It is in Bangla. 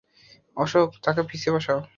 অশোক, তাকে পিছনে বসাও।